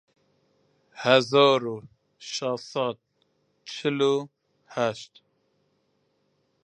هەزار و شەش سەد و چل و هەشت